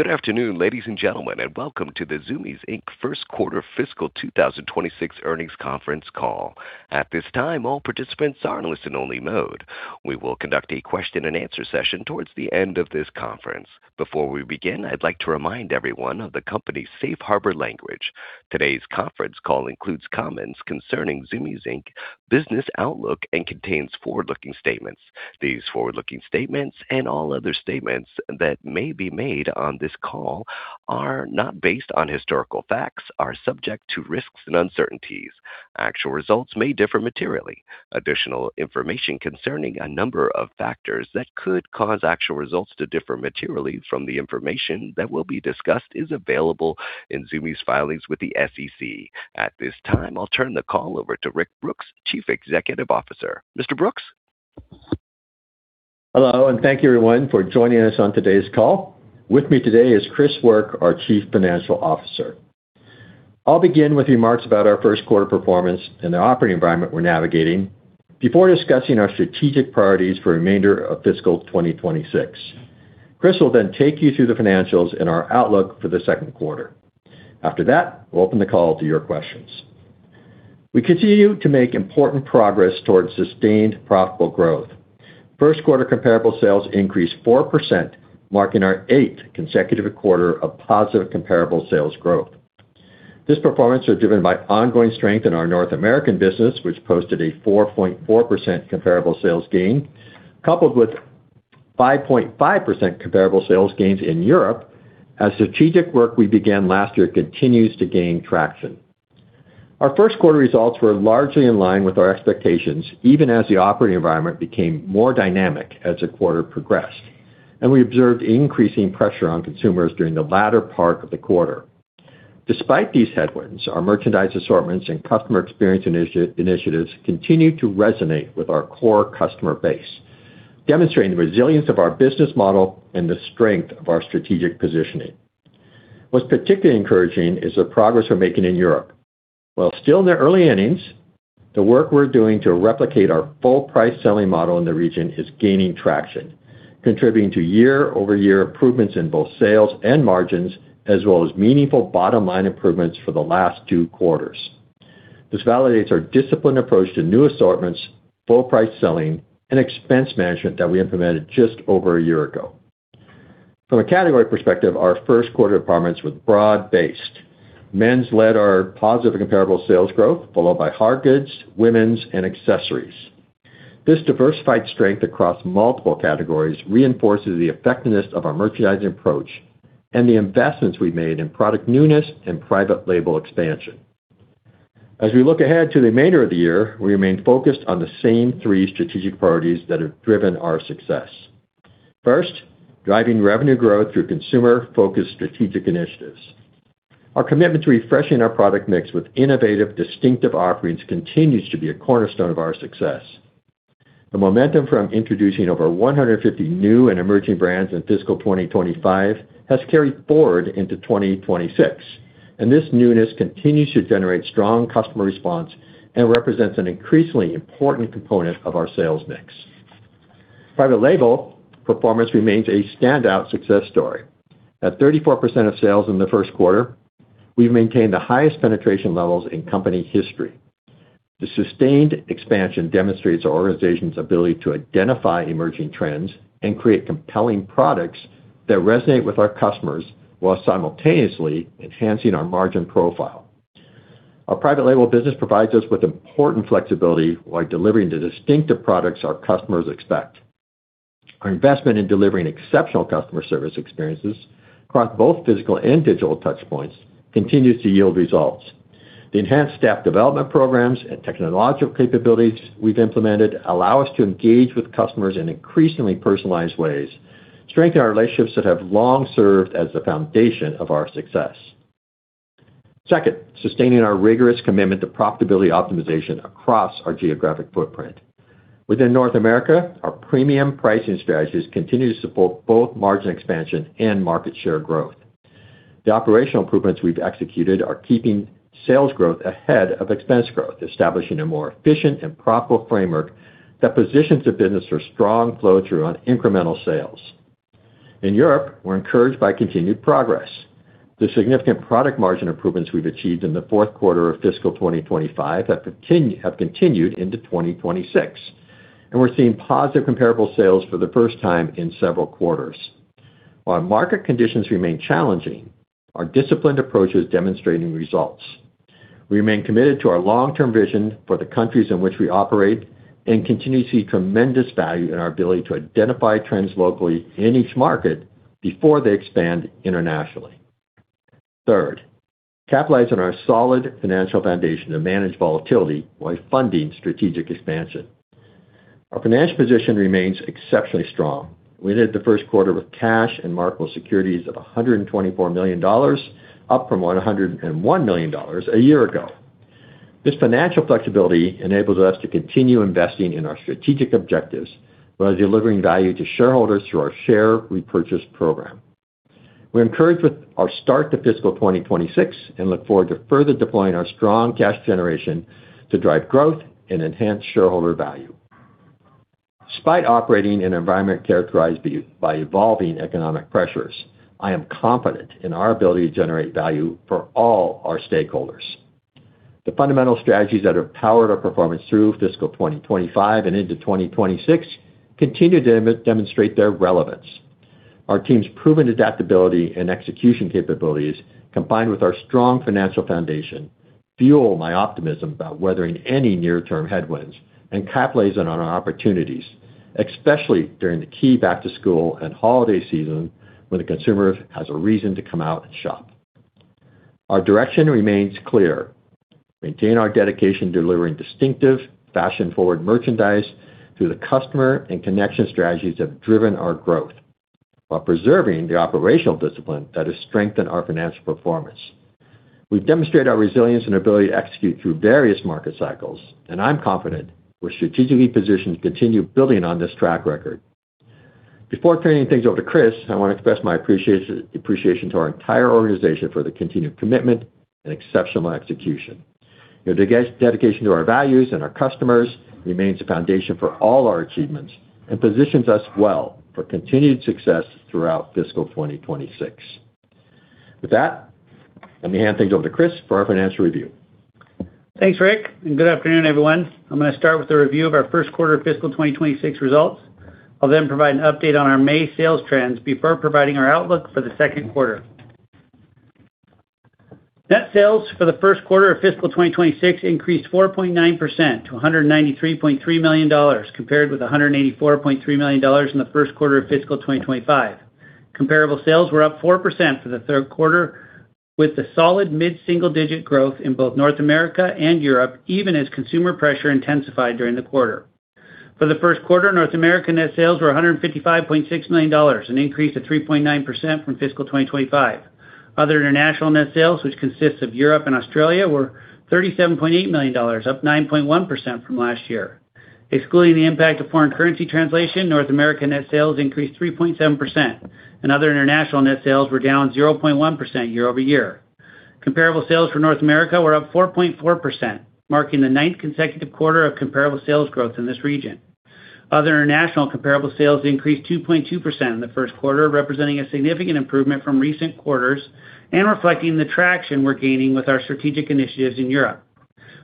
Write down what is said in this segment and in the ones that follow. Good afternoon, ladies and gentlemen, and welcome to the Zumiez Inc. first quarter fiscal 2026 earnings conference call. At this time, all participants are in listen-only mode. We will conduct a question-and-answer session towards the end of this conference. Before we begin, I'd like to remind everyone of the company's Safe Harbor language. Today's conference call includes comments concerning Zumiez Inc.'s business outlook and contains forward-looking statements. These forward-looking statements, and all other statements that may be made on this call, are not based on historical facts, are subject to risks and uncertainties. Actual results may differ materially. Additional information concerning a number of factors that could cause actual results to differ materially from the information that will be discussed is available in Zumiez' filings with the SEC. At this time, I'll turn the call over to Rick Brooks, Chief Executive Officer. Mr. Brooks? Hello, thank you, everyone, for joining us on today's call. With me today is Chris Work, our Chief Financial Officer. I'll begin with remarks about our first quarter performance and the operating environment we're navigating before discussing our strategic priorities for the remainder of fiscal 2026. Chris will then take you through the financials and our outlook for the second quarter. After that, we'll open the call to your questions. We continue to make important progress towards sustained profitable growth. First quarter comparable sales increased 4%, marking our eighth consecutive quarter of positive comparable sales growth. This performance was driven by ongoing strength in our North American business, which posted a 4.4% comparable sales gain, coupled with 5.5% comparable sales gains in Europe as strategic work we began last year continues to gain traction. Our first quarter results were largely in line with our expectations, even as the operating environment became more dynamic as the quarter progressed, and we observed increasing pressure on consumers during the latter part of the quarter. Despite these headwinds, our merchandise assortments and customer experience initiatives continue to resonate with our core customer base, demonstrating the resilience of our business model and the strength of our strategic positioning. What's particularly encouraging is the progress we're making in Europe. While still in the early innings, the work we're doing to replicate our full price selling model in the region is gaining traction, contributing to year-over-year improvements in both sales and margins as well as meaningful bottom-line improvements for the last two quarters. This validates our disciplined approach to new assortments, full price selling, and expense management that we implemented just over a year ago. From a category perspective, our first quarter performance was broad-based. Men's led our positive comparable sales growth, followed by hardgoods, women's, and accessories. This diversified strength across multiple categories reinforces the effectiveness of our merchandising approach and the investments we've made in product newness and private label expansion. As we look ahead to the remainder of the year, we remain focused on the same three strategic priorities that have driven our success. First, driving revenue growth through consumer-focused strategic initiatives. Our commitment to refreshing our product mix with innovative, distinctive offerings continues to be a cornerstone of our success. The momentum from introducing over 150 new and emerging brands in fiscal 2025 has carried forward into 2026, and this newness continues to generate strong customer response and represents an increasingly important component of our sales mix. Private label performance remains a standout success story. At 34% of sales in the first quarter, we've maintained the highest penetration levels in company history. The sustained expansion demonstrates our organization's ability to identify emerging trends and create compelling products that resonate with our customers while simultaneously enhancing our margin profile. Our private label business provides us with important flexibility while delivering the distinctive products our customers expect. Our investment in delivering exceptional customer service experiences across both physical and digital touchpoints continues to yield results. The enhanced staff development programs and technological capabilities we've implemented allow us to engage with customers in increasingly personalized ways, strengthen our relationships that have long served as the foundation of our success. Second, sustaining our rigorous commitment to profitability optimization across our geographic footprint. Within North America, our premium pricing strategies continue to support both margin expansion and market share growth. The operational improvements we've executed are keeping sales growth ahead of expense growth, establishing a more efficient and profitable framework that positions the business for strong flow-through on incremental sales. In Europe, we're encouraged by continued progress. The significant product margin improvements we've achieved in the fourth quarter of fiscal 2025 have continued into 2026, and we're seeing positive comparable sales for the first time in several quarters. While market conditions remain challenging, our disciplined approach is demonstrating results. We remain committed to our long-term vision for the countries in which we operate and continue to see tremendous value in our ability to identify trends locally in each market before they expand internationally. Third, capitalize on our solid financial foundation to manage volatility while funding strategic expansion. Our financial position remains exceptionally strong. We ended the first quarter with cash and marketable securities of $124 million, up from $101 million a year ago. This financial flexibility enables us to continue investing in our strategic objectives while delivering value to shareholders through our share repurchase program. We're encouraged with our start to fiscal 2026 and look forward to further deploying our strong cash generation to drive growth and enhance shareholder value. Despite operating in an environment characterized by evolving economic pressures, I am confident in our ability to generate value for all our stakeholders. The fundamental strategies that have powered our performance through fiscal 2025 and into 2026 continue to demonstrate their relevance. Our team's proven adaptability and execution capabilities, combined with our strong financial foundation, fuel my optimism about weathering any near-term headwinds and capitalize on our opportunities, especially during the key back to school and holiday season when the consumer has a reason to come out and shop. Our direction remains clear. Maintain our dedication to delivering distinctive fashion-forward merchandise through the customer and connection strategies that have driven our growth while preserving the operational discipline that has strengthened our financial performance. We've demonstrated our resilience and ability to execute through various market cycles, and I'm confident we're strategically positioned to continue building on this track record. Before turning things over to Chris, I want to express my appreciation to our entire organization for the continued commitment and exceptional execution. Your dedication to our values and our customers remains the foundation for all our achievements and positions us well for continued success throughout fiscal 2026. With that, let me hand things over to Chris for our financial review. Thanks, Rick, and good afternoon, everyone. I'm going to start with a review of our first quarter of fiscal 2026 results. I'll then provide an update on our May sales trends before providing our outlook for the second quarter. Net sales for the first quarter of fiscal 2026 increased 4.9% to $193.3 million, compared with $184.3 million in the first quarter of fiscal 2025. Comparable sales were up 4% for the third quarter with the solid mid-single-digit growth in both North America and Europe, even as consumer pressure intensified during the quarter. For the first quarter, North America net sales were $155.6 million, an increase of 3.9% from fiscal 2025. Other international net sales, which consists of Europe and Australia, were $37.8 million, up 9.1% from last year. Excluding the impact of foreign currency translation, North America net sales increased 3.7%, and other international net sales were down 0.1% year-over-year. Comparable sales for North America were up 4.4%, marking the ninth consecutive quarter of comparable sales growth in this region. Other international comparable sales increased 2.2% in the first quarter, representing a significant improvement from recent quarters and reflecting the traction we're gaining with our strategic initiatives in Europe.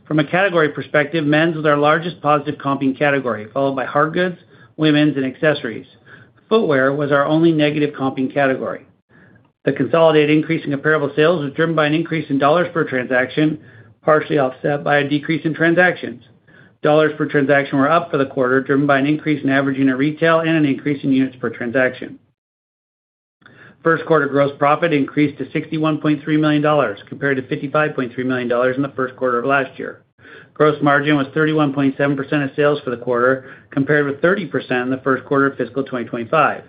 From a category perspective, men's was our largest positive comping category, followed by hardgoods, women's, and accessories. Footwear was our only negative comping category. The consolidated increase in comparable sales was driven by an increase in dollars per transaction, partially offset by a decrease in transactions. Dollars per transaction were up for the quarter, driven by an increase in average unit retail and an increase in units per transaction. First quarter gross profit increased to $61.3 million compared to $55.3 million in the first quarter of last year. Gross margin was 31.7% of sales for the quarter, compared with 30% in the first quarter of fiscal 2025.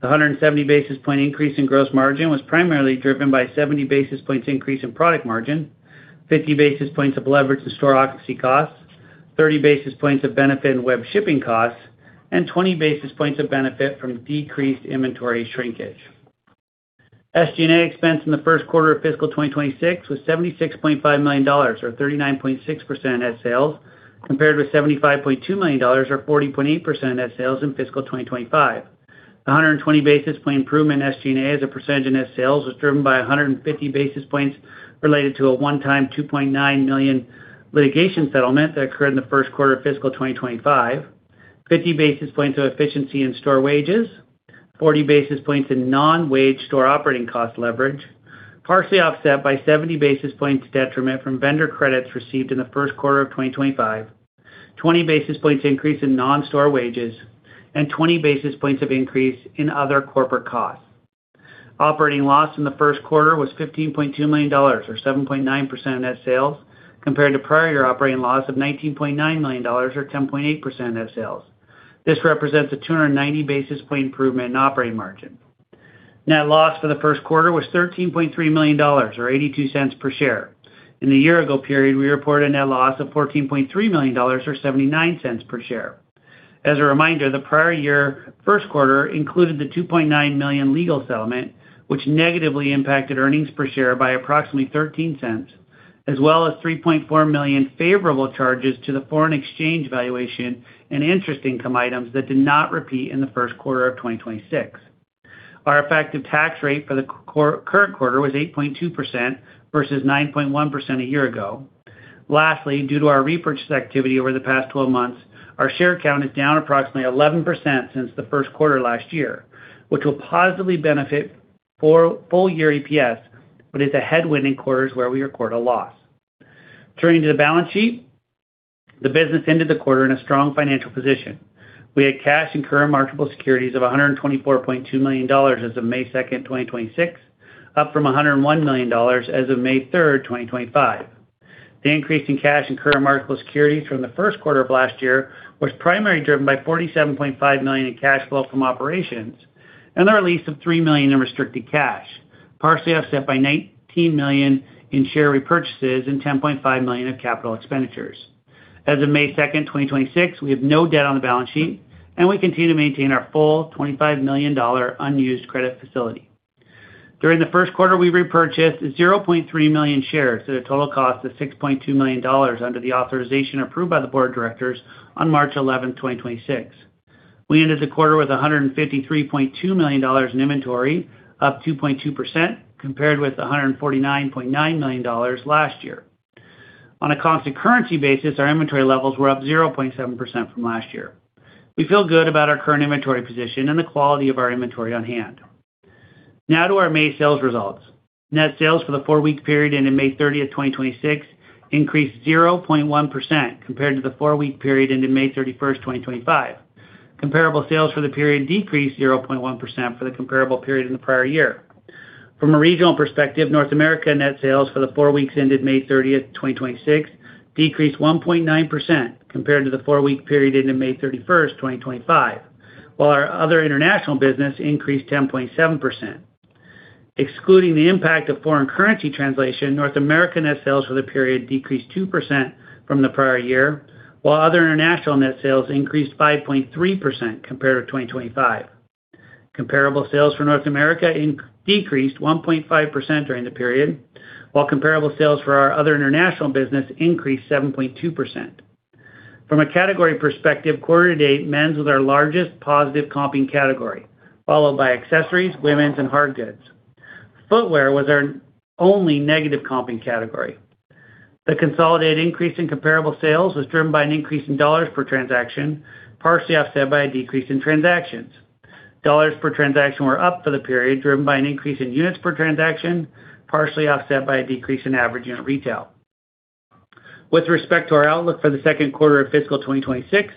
The 170 basis point increase in gross margin was primarily driven by 70 basis points increase in product margin, 50 basis points of leverage to store occupancy costs, 30 basis points of benefit in web shipping costs, and 20 basis points of benefit from decreased inventory shrinkage. SG&A expense in the first quarter of fiscal 2026 was $76.5 million, or 39.6% of net sales, compared with $75.2 million, or 40.8% of net sales in fiscal 2025. The 120 basis point improvement in SG&A as a percentage of net sales was driven by 150 basis points related to a one-time $2.9 million litigation settlement that occurred in the first quarter of fiscal 2025, 50 basis points of efficiency in store wages, 40 basis points in non-wage store operating cost leverage, partially offset by 70 basis points detriment from vendor credits received in the first quarter of 2025, 20 basis points increase in non-store wages, and 20 basis points of increase in other corporate costs. Operating loss in the first quarter was $15.2 million, or 7.9% of net sales, compared to prior year operating loss of $19.9 million, or 10.8% of net sales. This represents a 290 basis point improvement in operating margin. Net loss for the first quarter was $13.3 million, or $0.82 per share. In the year-ago period, we reported a net loss of $14.3 million, or $0.79 per share. As a reminder, the prior year first quarter included the $2.9 million legal settlement, which negatively impacted EPS by approximately $0.13, as well as $3.4 million favorable charges to the FX valuation and interest income items that did not repeat in the first quarter of 2026. Our effective tax rate for the current quarter was 8.2% versus 9.1% a year-ago. Lastly, due to our repurchase activity over the past 12 months, our share count is down approximately 11% since the first quarter last year, which will positively benefit full-year EPS, but is a headwind in quarters where we record a loss. Turning to the balance sheet, the business ended the quarter in a strong financial position. We had cash and current marketable securities of $124.2 million as of May 2nd, 2026, up from $101 million as of May 3rd, 2025. The increase in cash and current marketable securities from the first quarter of last year was primarily driven by $47.5 million in cash flow from operations and the release of $3 million in restricted cash, partially offset by $19 million in share repurchases and $10.5 million of capital expenditures. As of May 2nd, 2026, we have no debt on the balance sheet, and we continue to maintain our full $25 million unused credit facility. During the first quarter, we repurchased 0.3 million shares at a total cost of $6.2 million under the authorization approved by the board of directors on March 11th, 2026. We ended the quarter with $153.2 million in inventory, up 2.2%, compared with $149.9 million last year. On a constant currency basis, our inventory levels were up 0.7% from last year. We feel good about our current inventory position and the quality of our inventory on hand. Now to our May sales results. Net sales for the four-week period ending May 30th, 2026, increased 0.1% compared to the four-week period ending May 31st, 2025. Comparable sales for the period decreased 0.1% for the comparable period in the prior year. From a regional perspective, North America net sales for the four weeks ending May 30th, 2026, decreased 1.9% compared to the four-week period ending May 31st, 2025, while our other international business increased 10.7%. Excluding the impact of foreign currency translation, North America net sales for the period decreased 2% from the prior year, while other international net sales increased 5.3% compared to 2025. Comparable sales for North America decreased 1.5% during the period, while comparable sales for our other international business increased 7.2%. From a category perspective, quarter to date, men's was our largest positive comping category, followed by accessories, women's and hardgoods. Footwear was our only negative comping category. The consolidated increase in comparable sales was driven by an increase in dollars per transaction, partially offset by a decrease in transactions. Dollars per transaction were up for the period, driven by an increase in units per transaction, partially offset by a decrease in average unit retail. With respect to our outlook for the second quarter of fiscal 2026,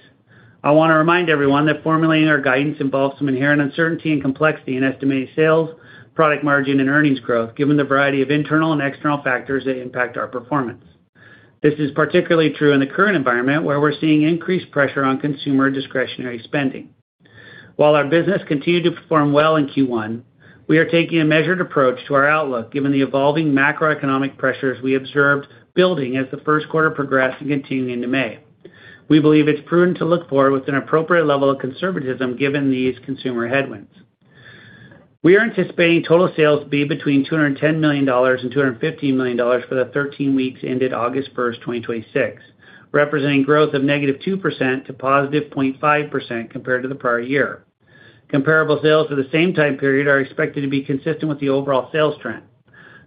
I want to remind everyone that formulating our guidance involves some inherent uncertainty and complexity in estimated sales, product margin, and earnings growth given the variety of internal and external factors that impact our performance. This is particularly true in the current environment, where we're seeing increased pressure on consumer discretionary spending. While our business continued to perform well in Q1, we are taking a measured approach to our outlook, given the evolving macroeconomic pressures we observed building as the first quarter progressed and continuing into May. We believe it's prudent to look forward with an appropriate level of conservatism given these consumer headwinds. We are anticipating total sales to be between $210 million and $215 million for the 13 weeks ended August 1st, 2026, representing growth of -2% to +0.5% compared to the prior year. Comparable sales for the same time period are expected to be consistent with the overall sales trend.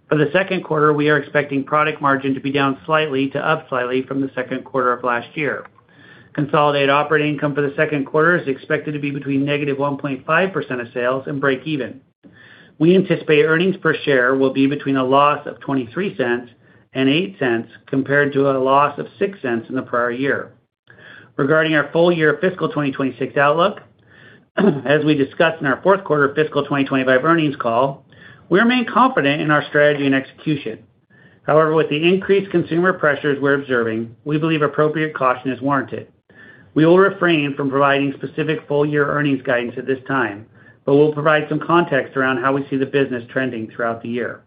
For the second quarter, we are expecting product margin to be down slightly to up slightly from the second quarter of last year. Consolidated operating income for the second quarter is expected to be between -1.5% of sales and breakeven. We anticipate earnings per share will be between a loss of $0.23 and $0.08, compared to a loss of $0.06 in the prior year. Regarding our full-year fiscal 2026 outlook, as we discussed in our fourth quarter fiscal 2025 earnings call, we remain confident in our strategy and execution. With the increased consumer pressures we're observing, we believe appropriate caution is warranted. We will refrain from providing specific full-year earnings guidance at this time. We'll provide some context around how we see the business trending throughout the year.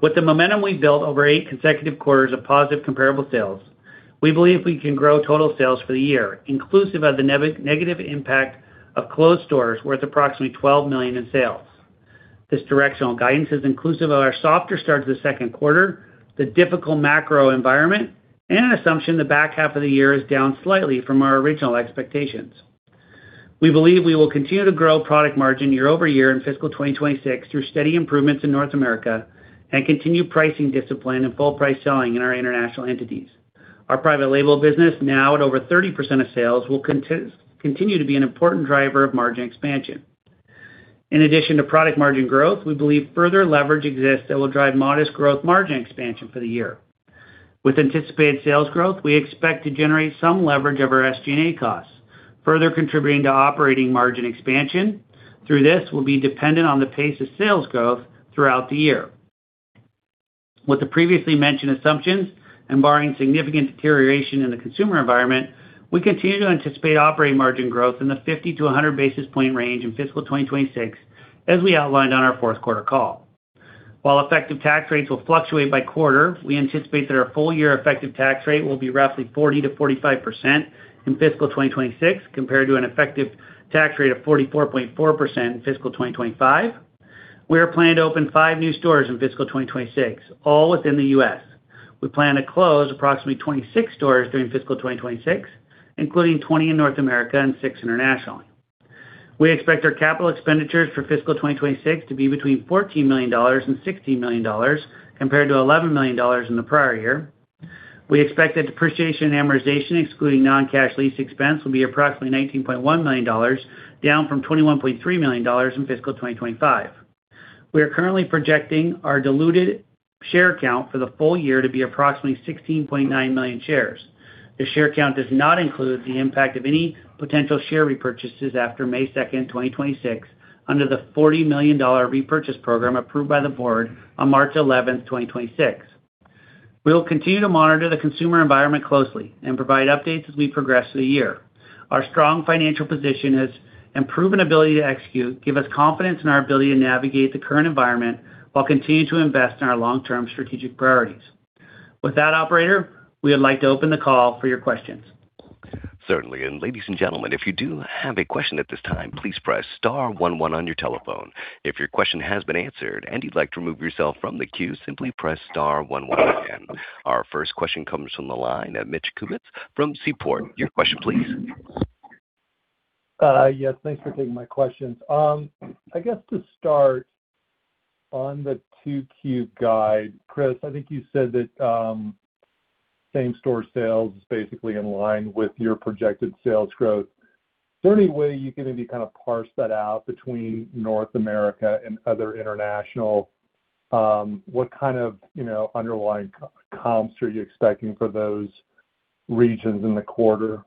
With the momentum we've built over eight consecutive quarters of positive comparable sales, we believe we can grow total sales for the year, inclusive of the negative impact of closed stores worth approximately $12 million in sales. This directional guidance is inclusive of our softer start to the second quarter, the difficult macro environment, and an assumption the back half of the year is down slightly from our original expectations. We believe we will continue to grow product margin year-over-year in fiscal 2026 through steady improvements in North America and continued pricing discipline and full price selling in our international entities. Our private label business, now at over 30% of sales, will continue to be an important driver of margin expansion. In addition to product margin growth, we believe further leverage exists that will drive modest gross margin expansion for the year. With anticipated sales growth, we expect to generate some leverage of our SG&A costs, further contributing to operating margin expansion, through this will be dependent on the pace of sales growth throughout the year. With the previously mentioned assumptions and barring significant deterioration in the consumer environment, we continue to anticipate operating margin growth in the 50-100 basis point range in fiscal 2026, as we outlined on our fourth quarter call. While effective tax rates will fluctuate by quarter, we anticipate that our full-year effective tax rate will be roughly 40%-45% in fiscal 2026, compared to an effective tax rate of 44.4% in fiscal 2025. We are planning to open five new stores in fiscal 2026, all within the U.S.. We plan to close approximately 26 stores during fiscal 2026, including 20 in North America and six internationally. We expect our capital expenditures for fiscal 2026 to be between $14 million and $16 million, compared to $11 million in the prior year. We expect that depreciation and amortization, excluding non-cash lease expense, will be approximately $19.1 million, down from $21.3 million in fiscal 2025. We are currently projecting our diluted share count for the full-year to be approximately 16.9 million shares. The share count does not include the impact of any potential share repurchases after May 2nd, 2026, under the $40 million repurchase program approved by the board on March 11th, 2026. We will continue to monitor the consumer environment closely and provide updates as we progress through the year. Our strong financial position and proven ability to execute give us confidence in our ability to navigate the current environment while continuing to invest in our long-term strategic priorities. With that, operator, we would like to open the call for your questions. Certainly. Ladies and gentlemen, if you do have a question at this time, please press star one one on your telephone. If your question has been answered and you'd like to remove yourself from the queue, simply press star one one again. Our first question comes from the line, Mitch Kummetz from Seaport. Your question please. Yes. Thanks for taking my questions. I guess to start on the 2Q guide, Chris, I think you said that same store sales is basically in line with your projected sales growth. Is there any way you can maybe kind of parse that out between North America and other international? What kind of underlying comps are you expecting for those regions in the quarter?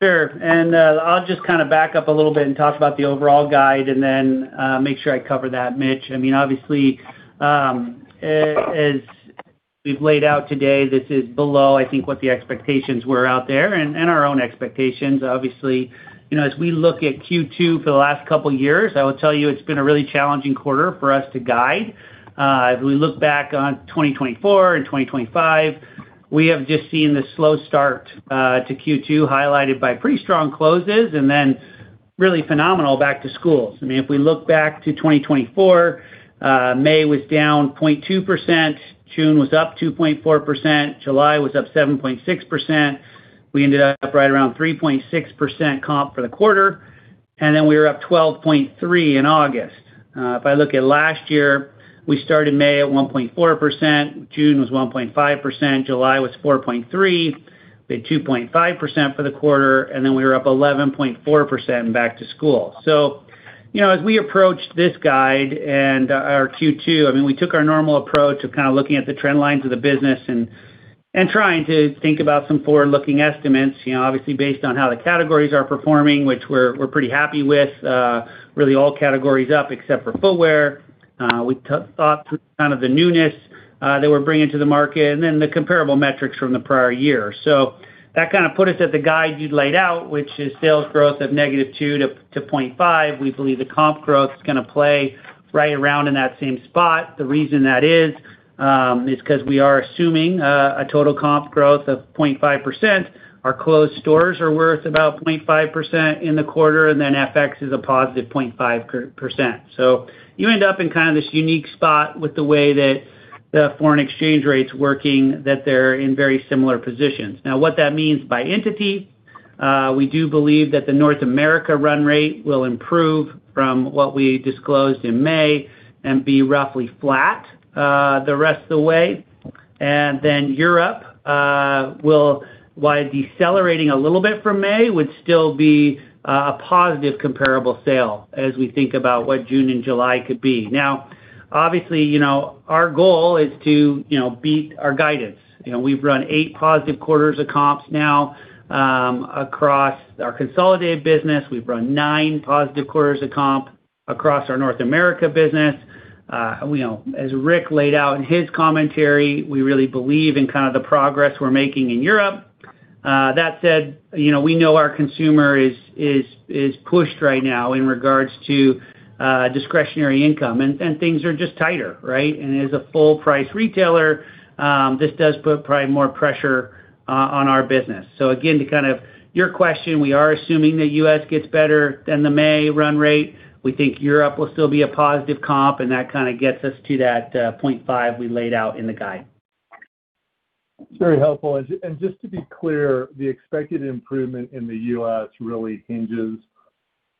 I'll just kind of back up a little bit and talk about the overall guide and then make sure I cover that, Mitch. Obviously, as we've laid out today, this is below, I think, what the expectations were out there and our own expectations, obviously. As we look at Q2 for the last couple of years, I would tell you it's been a really challenging quarter for us to guide. As we look back on 2024 and 2025, we have just seen the slow start to Q2 highlighted by pretty strong closes and then really phenomenal back to schools. If we look back to 2024, May was down 0.2%, June was up 2.4%, July was up 7.6%. We ended up right around 3.6% comp for the quarter, and then we were up 12.3% in August. If I look at last year, we started May at 1.4%, June was 1.5%, July was 4.3%, made 2.5% for the quarter. We were up 11.4% in back to school. As we approached this guide and our Q2, we took our normal approach of looking at the trend lines of the business and trying to think about some forward-looking estimates. Obviously based on how the categories are performing, which we're pretty happy with. Really all categories up except for footwear. We took thoughts with kind of the newness that we're bringing to the market and then the comparable metrics from the prior year. That put us at the guide you'd laid out, which is sales growth of -2% to 0.5%. We believe the comp growth is going to play right around in that same spot. The reason that is because we are assuming a total comp growth of 0.5%. Our closed stores are worth about 0.5% in the quarter, then FX is a positive 0.5%. You end up in this unique spot with the way that the foreign exchange rate's working, that they're in very similar positions. What that means by entity, we do believe that the North America run rate will improve from what we disclosed in May and be roughly flat the rest of the way. Europe will, while decelerating a little bit from May, would still be a positive comparable sale as we think about what June and July could be. Obviously, our goal is to beat our guidance. We've run eight positive quarters of comps now, across our consolidated business. We've run nine positive quarters of comp across our North America business. As Rick laid out in his commentary, we really believe in the progress we're making in Europe. That said, we know our consumer is pushed right now in regards to discretionary income and things are just tighter, right? As a full-price retailer, this does put probably more pressure on our business. Again, to your question, we are assuming the U.S. gets better than the May run rate. We think Europe will still be a positive comp, and that kind of gets us to that 0.5% we laid out in the guide. It's very helpful. Just to be clear, the expected improvement in the U.S. really hinges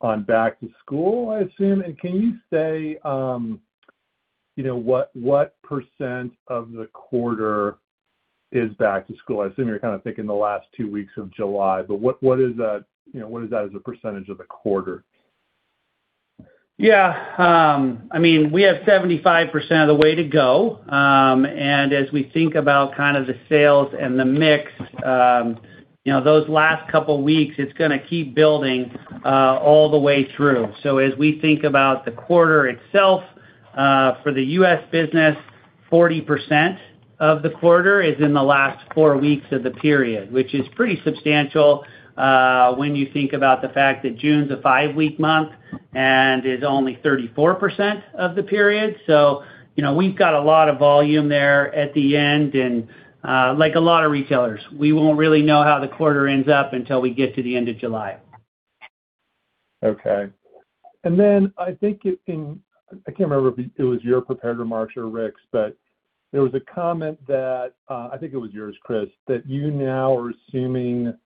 on back to school, I assume. Can you say, what percent of the quarter is back to school? I assume you're kind of thinking the last two weeks of July, but what is that as a percentage of the quarter? Yeah. We have 75% of the way to go. As we think about the sales and the mix, those last couple of weeks, it's going to keep building all the way through. As we think about the quarter itself, for the U.S. business, 40% of the quarter is in the last four weeks of the period, which is pretty substantial, when you think about the fact that June's a five-week month and is only 34% of the period. We've got a lot of volume there at the end, and like a lot of retailers, we won't really know how the quarter ends up until we get to the end of July. Okay. I think it in-- I can't remember if it was your prepared remarks or Rick's, but there was a comment that, I think it was yours, Chris, that you now are assuming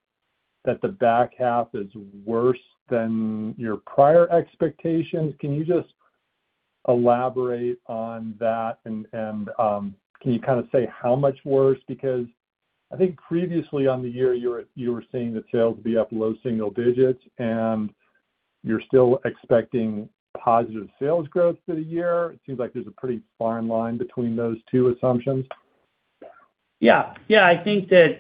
that the back half is worse than your prior expectations. Can you just elaborate on that and can you say how much worse? I think previously on the year you were saying that sales would be up low single digits and you're still expecting positive sales growth for the year. It seems like there's a pretty fine line between those two assumptions. I think that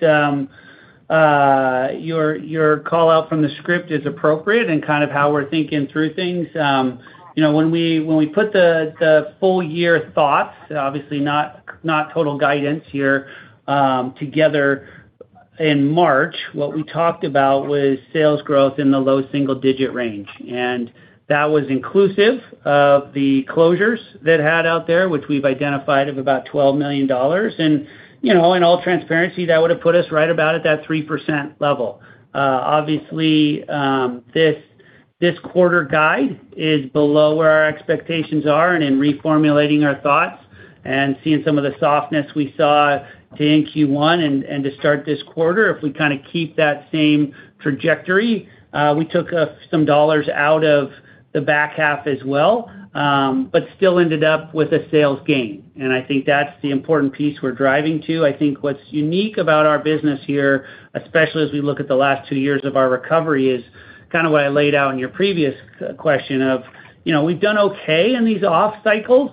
your callout from the script is appropriate and how we're thinking through things. When we put the full-year thoughts, obviously not total guidance here, together in March, what we talked about was sales growth in the low single digit range. That was inclusive of the closures that had out there, which we've identified of about $12 million. In all transparency, that would've put us right about at that 3% level. Obviously, this quarter guide is below where our expectations are and in reformulating our thoughts and seeing some of the softness we saw in Q1 and to start this quarter. If we keep that same trajectory, we took some dollars out of the back half as well, but still ended up with a sales gain. I think that's the important piece we're driving to. I think what's unique about our business here, especially as we look at the last two years of our recovery, is what I laid out in your previous question of, we've done okay in these off cycles.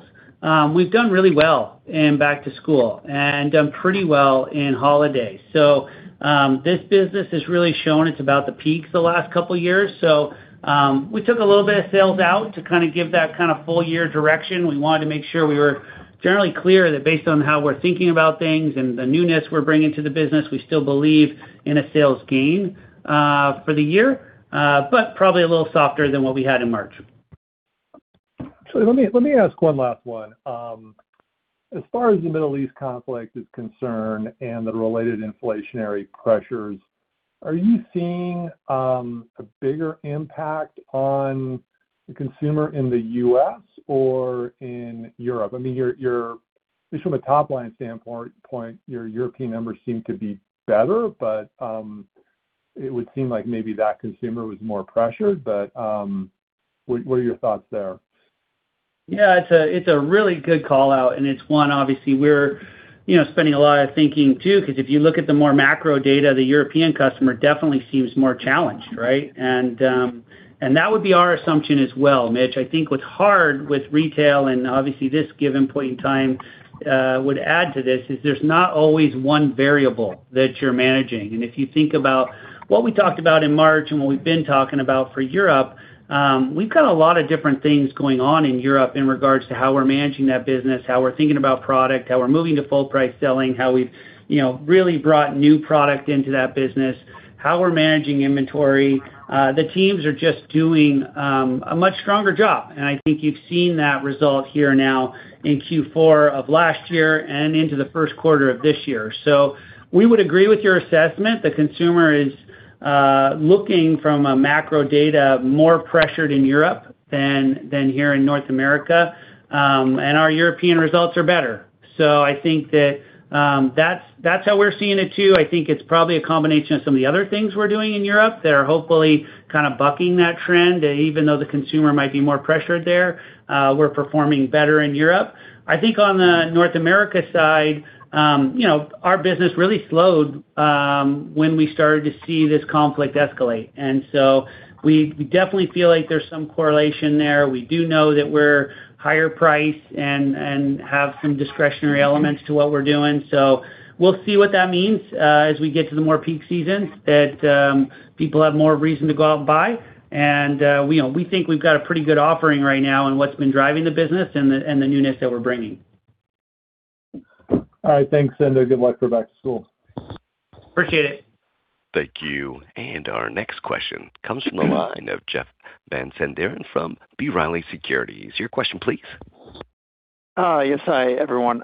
We've done really well in back to school and done pretty well in holidays. This business has really shown it's about the peaks the last couple years. We took a little bit of sales out to give that kind of full-year direction. We wanted to make sure we were generally clear that based on how we're thinking about things and the newness we're bringing to the business, we still believe in a sales gain for the year. Probably a little softer than what we had in March. Let me ask one last one. As far as the Middle East conflict is concerned and the related inflationary pressures, are you seeing a bigger impact on the consumer in the U.S. or in Europe? At least from a top-line standpoint, your European numbers seem to be better, but it would seem like maybe that consumer was more pressured. What are your thoughts there? Yeah, it's a really good call-out. It's one obviously we're spending a lot of thinking too. If you look at the more macro data, the European customer definitely seems more challenged, right? That would be our assumption as well, Mitch. I think what's hard with retail, and obviously this given point in time would add to this, is there's not always one variable that you're managing. If you think about what we talked about in March and what we've been talking about for Europe, we've got a lot of different things going on in Europe in regards to how we're managing that business, how we're thinking about product, how we're moving to full price selling, how we've really brought new product into that business, how we're managing inventory. The teams are just doing a much stronger job, and I think you've seen that result here now in Q4 of last year and into the first quarter of this year. We would agree with your assessment. The consumer is looking from a macro data, more pressured in Europe than here in North America. Our European results are better. I think that's how we're seeing it too. I think it's probably a combination of some of the other things we're doing in Europe that are hopefully kind of bucking that trend. Even though the consumer might be more pressured there, we're performing better in Europe. I think on the North America side, our business really slowed when we started to see this conflict escalate. We definitely feel like there's some correlation there. We do know that we're higher price and have some discretionary elements to what we're doing. We'll see what that means as we get to the more peak seasons that people have more reason to go out and buy. We think we've got a pretty good offering right now in what's been driving the business and the newness that we're bringing. All right, thanks, and good luck for back to school. Appreciate it. Thank you. Our next question comes from the line of Jeff Van Sinderen from B. Riley Securities. Your question, please. Yes. Hi, everyone.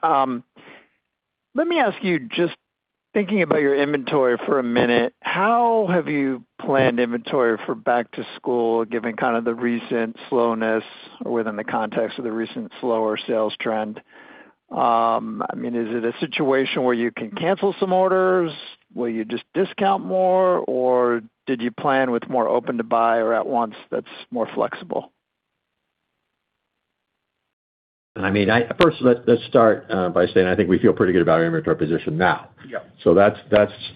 Let me ask you, just thinking about your inventory for a minute, how have you planned inventory for back to school, given kind of the recent slowness or within the context of the recent slower sales trend? Is it a situation where you can cancel some orders? Will you just discount more? Did you plan with more open to buy or at once that's more flexible? First, let's start by saying I think we feel pretty good about our inventory position now. Yeah. That's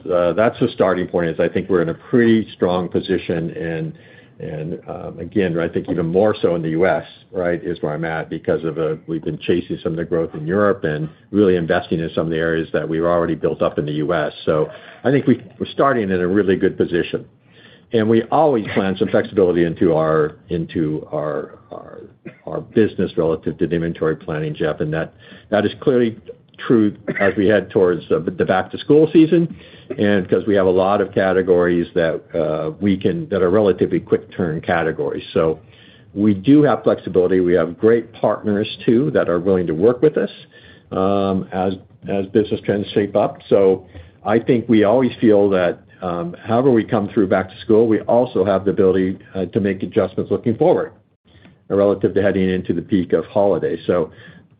the starting point is I think we're in a pretty strong position and again, I think even more so in the U.S. is where I'm at because we've been chasing some of the growth in Europe and really investing in some of the areas that we've already built up in the U.S.. I think we're starting in a really good position, and we always plan some flexibility into our business relative to the inventory planning, Jeff, and that is clearly true as we head towards the back-to-school season. Because we have a lot of categories that are relatively quick turn categories. We do have flexibility. We have great partners too that are willing to work with us as business trends shape up. I think we always feel that however we come through back to school, we also have the ability to make adjustments looking forward relative to heading into the peak of holiday.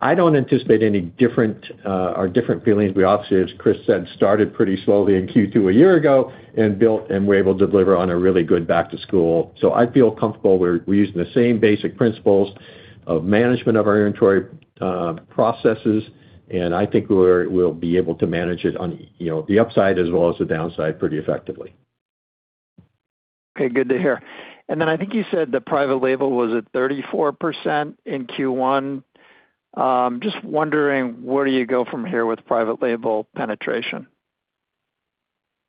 I don't anticipate any different feelings. We obviously, as Chris said, started pretty slowly in Q2 a year ago and built and were able to deliver on a really good back to school. I feel comfortable we're using the same basic principles of management of our inventory processes, and I think we'll be able to manage it on the upside as well as the downside pretty effectively. Okay, good to hear. I think you said the private label was at 34% in Q1. Just wondering, where do you go from here with private label penetration?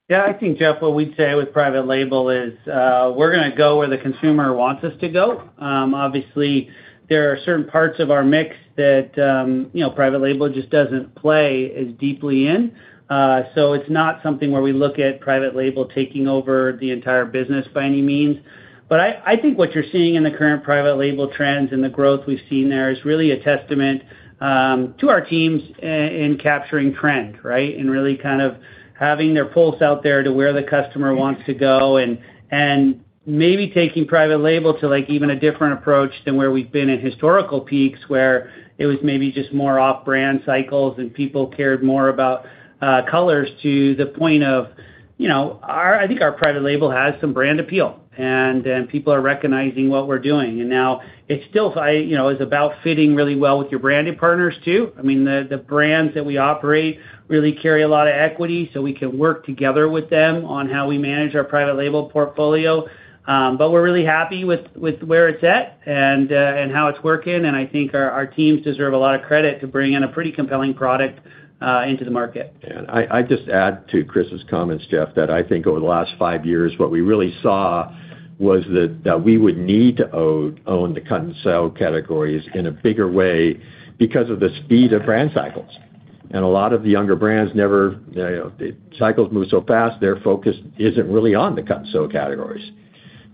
Yeah, I think, Jeff, what we'd say with private label is we're going to go where the consumer wants us to go. Obviously, there are certain parts of our mix that private label just doesn't play as deeply in. It's not something where we look at private label taking over the entire business by any means. I think what you're seeing in the current private label trends and the growth we've seen there is really a testament to our teams in capturing trend, right? In really kind of having their pulse out there to where the customer wants to go and maybe taking private label to even a different approach than where we've been at historical peaks, where it was maybe just more off-brand cycles and people cared more about colors to the point of, I think our private label has some brand appeal, and people are recognizing what we're doing. Now it's about fitting really well with your branded partners, too. I mean, the brands that we operate really carry a lot of equity, so we can work together with them on how we manage our private label portfolio. We're really happy with where it's at and how it's working, and I think our teams deserve a lot of credit to bring in a pretty compelling product into the market. Yeah. I'd just add to Chris' comments, Jeff, that I think over the last five years, what we really saw was that we would need to own the cut-and-sew categories in a bigger way because of the speed of brand cycles. A lot of the younger brands the cycles move so fast, their focus isn't really on the cut-and-sew categories.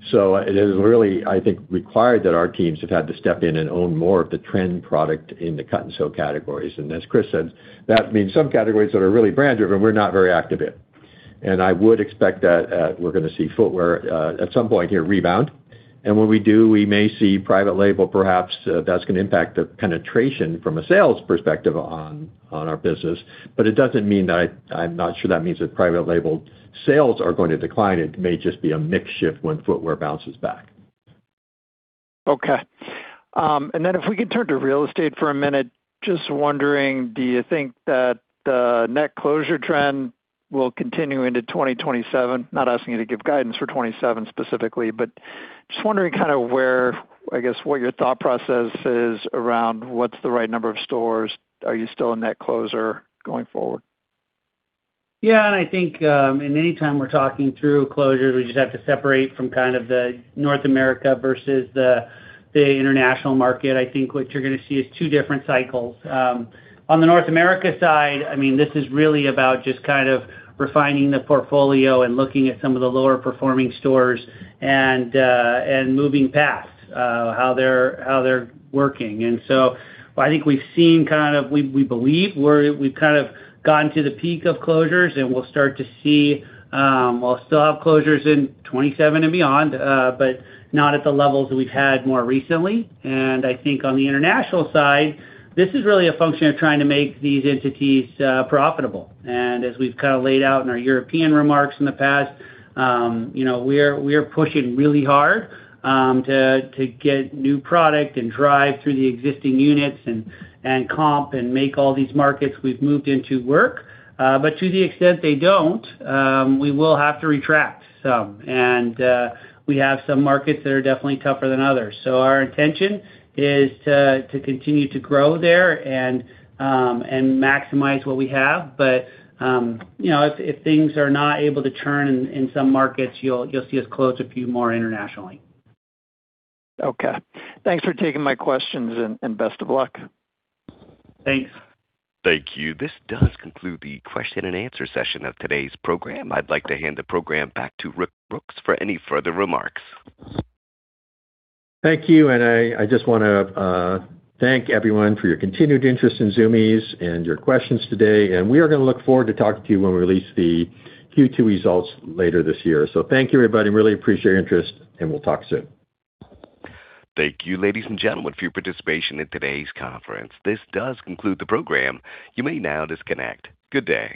It has really, I think, required that our teams have had to step in and own more of the trend product in the cut-and-sew categories. As Chris said, that means some categories that are really brand driven, we're not very active in. I would expect that we're going to see footwear at some point here rebound. When we do, we may see private label, perhaps that's going to impact the penetration from a sales perspective on our business. It doesn't mean that I'm not sure that means that private label sales are going to decline. It may just be a mix shift when footwear bounces back. Okay. If we could turn to real estate for a minute, just wondering, do you think that the net closure trend will continue into 2027? Not asking you to give guidance for 2027 specifically, but just wondering where, I guess, what your thought process is around what's the right number of stores. Are you still a net closer going forward? Yeah, I think anytime we're talking through closures, we just have to separate from kind of the North America versus the international market. I think what you're going to see is two different cycles. On the North America side, this is really about just kind of refining the portfolio and looking at some of the lower performing stores and moving past how they're working. I think we've seen we believe we've kind of gotten to the peak of closures, and we'll start to see, we'll still have closures in 2027 and beyond, but not at the levels that we've had more recently. I think on the international side, this is really a function of trying to make these entities profitable. As we've kind of laid out in our European remarks in the past, we are pushing really hard to get new product and drive through the existing units and comp and make all these markets we've moved into work. To the extent they don't, we will have to retract some. We have some markets that are definitely tougher than others. Our intention is to continue to grow there and maximize what we have. If things are not able to turn in some markets, you'll see us close a few more internationally. Okay. Thanks for taking my questions and best of luck. Thanks. Thank you. This does conclude the question and answer session of today's program. I'd like to hand the program back to Rick Brooks for any further remarks. Thank you, and I just want to thank everyone for your continued interest in Zumiez and your questions today, and we are going to look forward to talking to you when we release the Q2 results later this year. Thank you, everybody. Really appreciate your interest, and we'll talk soon. Thank you, ladies and gentlemen, for your participation in today's conference. This does conclude the program. You may now disconnect. Good day.